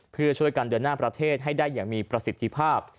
เพื่อช่วยกันเดินหน้าประเทศให้ได้อย่างมีประสิทธิภาพ